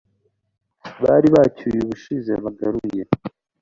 bari bacyuye ubushize bagaruye